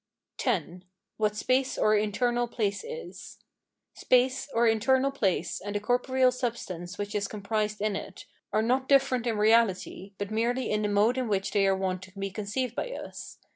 X. What space or internal place is. Space or internal place, and the corporeal substance which is comprised in it, are not different in reality, but merely in the mode in which they are wont to be conceived by us.